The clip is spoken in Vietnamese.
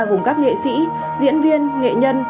cùng các nghệ sĩ diễn viên nghệ nhân